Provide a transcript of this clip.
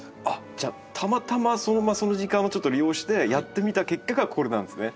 じゃあたまたまその時間をちょっと利用してやってみた結果がこれなんですね。